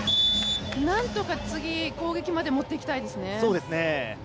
何とか次、攻撃まで持っていきたいですね。